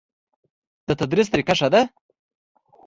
د تدریس طریقه ښه ده؟